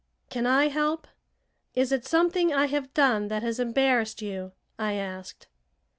"Can I help? Is it something I have done that has embarrassed you?" I asked.